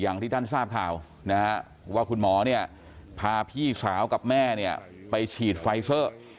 อย่างที่ท่านทราบข่าวว่าคุณหมอพาพี่สาวกับแม่ไปฉีดไฟเซอร์